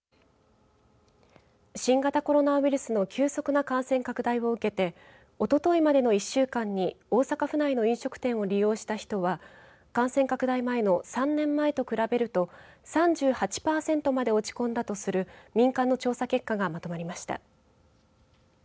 新型コロナウイルスの急速な感染拡大を受けておとといまでの１週間に大阪府内の飲食店を利用した人は感染拡大前の３年前と比べると３８パーセントまで落ち込んだとする民間の調査結果がまとまりました。